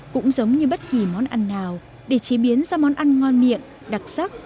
cũng giống như bất kỳ món ăn nào để chế biến ra món ăn ngon miệng đặc sắc